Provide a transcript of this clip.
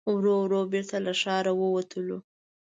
ورو ورو بېرته له ښاره ووتلو.